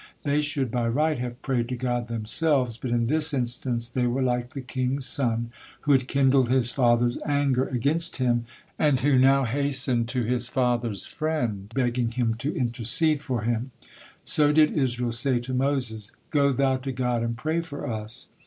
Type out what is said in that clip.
They should by right have prayed to God themselves, but in this instance they were like the king's son who had kindled his father's anger against him, and who not hastened to his father's friend, begging him to intercede for him. So did Israel say to Moses: "Go thou to God and pray for us."